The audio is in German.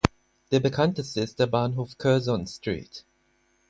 Der bekannteste ist der Bahnhof Curzon Street.